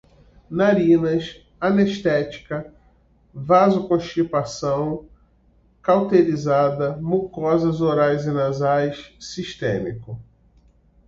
narinas, anestética, vasoconstrição, cauterizada, mucosas orais e nasais, sistêmicos